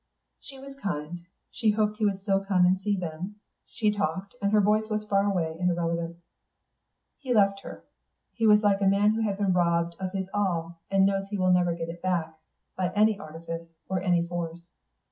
She was kind; she hoped he would still come and see them; she talked, and her voice was far away and irrelevant. He left her. He was like a man who has been robbed of his all and knows he will never get it back, by any artifice or any force.